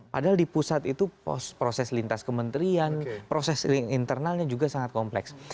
padahal di pusat itu proses lintas kementerian proses internalnya juga sangat kompleks